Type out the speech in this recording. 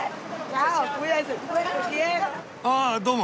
ああどうも！